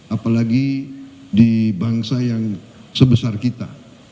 apalagi di bangsa yang sebesar kita